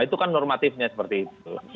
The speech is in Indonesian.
itu kan normatifnya seperti itu